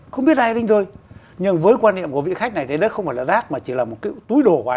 không biết ai lên rơi nhưng với quan niệm của vị khách này thấy đất không phải là rác mà chỉ là một cái túi đồ hoài